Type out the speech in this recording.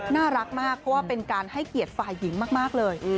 น่ารักมากเพราะว่าเป็นการให้เกียรติฝ่ายหญิงมากเลย